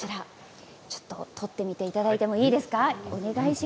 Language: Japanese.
取っていただいてもいいですか。